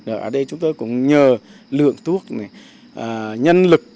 ở đây chúng tôi cũng nhờ lượng thuốc nhân lực của y bác